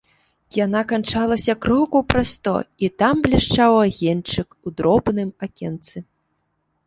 Яна канчалася крокаў праз сто, і там блішчаў агеньчык у дробным акенцы.